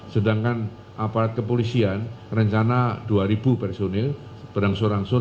sedangkan aparat kepolisian rencana dua ribu personil berangsur angsur